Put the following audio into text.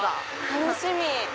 楽しみ！